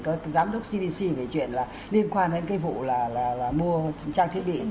các giám đốc cdc về chuyện là liên quan đến cái vụ là mua trang thiết bị